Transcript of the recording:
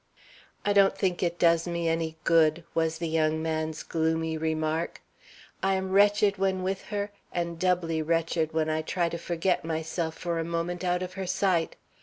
"I don't think it does me any good," was the young man's gloomy remark. "I am wretched when with her, and doubly wretched when I try to forget myself for a moment out of her sight.